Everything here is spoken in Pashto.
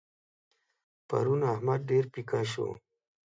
پرون احمد ډېر پيکه شو.